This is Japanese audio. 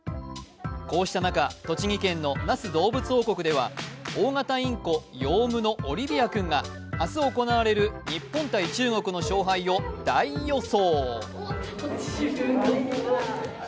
こうした中、栃木県の那須どうぶつ王国では大型インコヨウムのオリビア君は明日行われる日本対中国の勝敗を大予想。